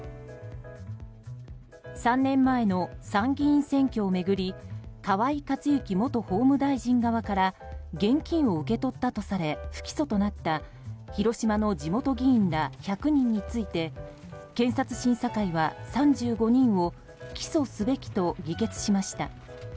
３年前の参議院選挙を巡り河井克行元法務大臣側から現金を受け取ったとされ不起訴となった、広島の地元議員ら１００人について検察審査会は３５人を起訴すべきと議決しました。